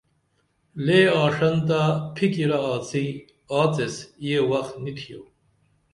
لے آݜنتہ پِھکِرہ آڅی آڅیس یہ وخ نی تِھیو